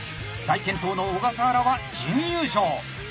大健闘の小笠原は準優勝。